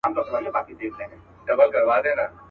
تیاره مالت وي پکښي خیر و شر په کاڼو ولي.